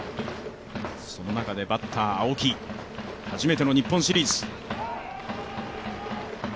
その中でバッター青木、初めての日本シリーズ。